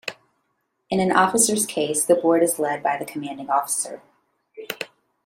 In an officer's case, the board is led by the commanding officer.